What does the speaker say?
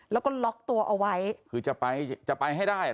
แล้วก็ล็อกตัวเอาไว้คือจะไปจะไปให้ได้